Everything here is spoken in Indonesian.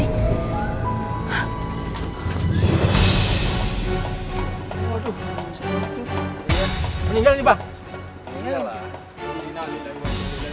meninggal nih pak